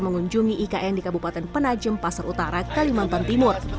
mengunjungi ikn di kabupaten penajem pasar utara kalimantan timur